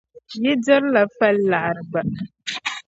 Yi dirila fali liɣiri gba.